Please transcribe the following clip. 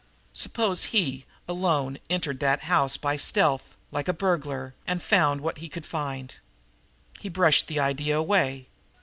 Suppose he, alone, entered that house tonight by stealth, like a burglar, and found what he could find? He brushed the idea away.